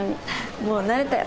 もう慣れたよ。